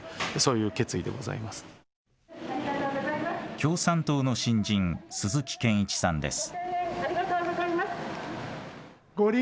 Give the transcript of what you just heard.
共産党の新人、鈴木賢一さんです。